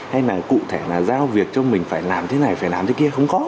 hay là cụ thể là giao việc cho mình phải làm thế này phải làm thế kia không có